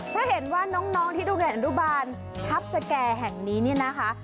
เพราะเห็นว่าน้องที่ดูแห่งอันดุบาลทัพสแก่แห่งนี้นี่นะคะ